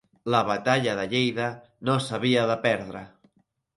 La batalla de Lleida no s'havia de perdre.